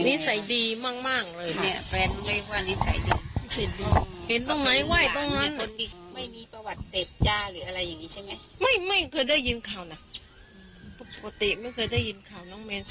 ได้ยินข่าวนะปสติไม่เคยได้ยินข่าวน้องเมริกา